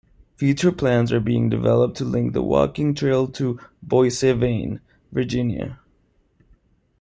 Future plans are being developed to link the walking trail to Boissevain, Virginia.